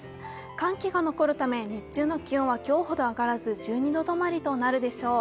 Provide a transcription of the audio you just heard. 寒気が残るため日中の気温は今日ほど上がらず、１２度止まりとなるでしょう。